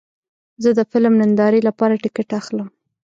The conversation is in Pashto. زه د فلم نندارې لپاره ټکټ اخلم.